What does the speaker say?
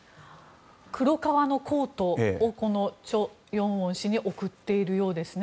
黒革のコートをチョ・ヨンウォン氏に贈っているようですね。